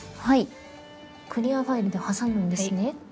クリアファイルで挟むんですね。